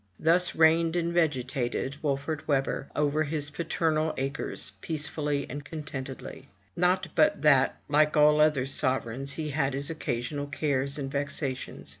Thus reigned and vegetated Wolfert Webber over his paternal acres, peacefully and contentedly. Not but that, like all other sovereigns, he had his occasional cares and vexations.